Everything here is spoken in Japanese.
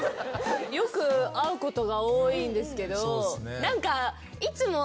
よく会うことが多いんですけど何かいつも。